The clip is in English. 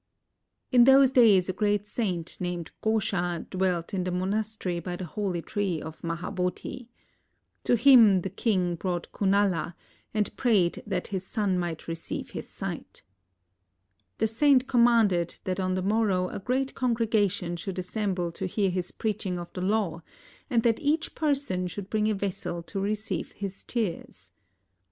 In those days a great saint named Ghosha dwelt in the monastery by the holy tree of Mahabodhi. To him the king brought Kimala, and prayed that his son might receive his sight. The saint commanded that on the morrow a great congregation should assemble to hear his preaching of the Law, and that each person should bring a vessel to receive his tears.